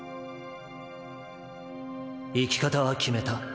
生き方は決めた。